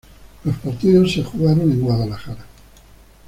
Los partidos se jugaron en Kuwait.